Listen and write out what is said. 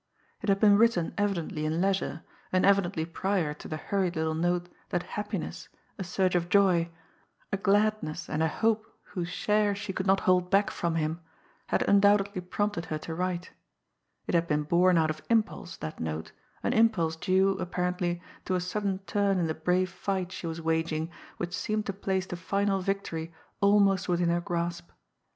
It had been written evidently in leisure, and evidently prior to the hurried little note that happiness, a surge of joy, a gladness and a hope whose share she could not hold back from him, had undoubtedly prompted her to write; it had been born out of impulse, that note, an impulse due, apparently, to a sudden turn in the brave fight she was waging which seemed to place the final victory almost within her grasp.